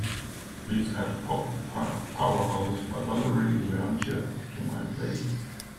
Please add Pop Punk Powerhouses by Valeri Leontjev to my play list